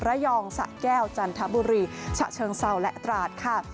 ระยองสะแก้วจันทบุรีฉะเชิงเศร้าและตราดค่ะ